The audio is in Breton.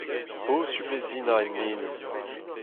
Posupl eo sinañ enlinenn.